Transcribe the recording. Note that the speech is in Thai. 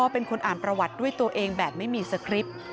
เป็นคนอ่านประวัติด้วยตัวเองแบบไม่มีสคริปต์